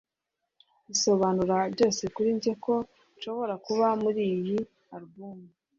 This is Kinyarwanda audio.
bisobanura byose kuri njye ko nshobora kuba muri iyi alubumu